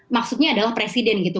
maksudnya adalah presiden gitu